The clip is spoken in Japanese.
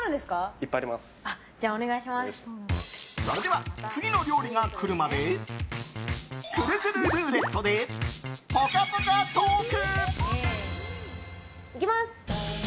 それでは、次の料理がくるまでくるくるルーレットでぽかぽかトーク！